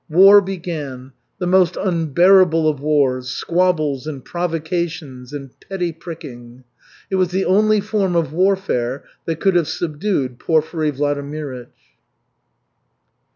War began, the most unbearable of wars, squabbles and provocations, and petty pricking. It was the only form of warfare that could have subdued Porfiry Vladimirych.